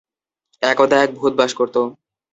একদা এক ভূত বাস করত।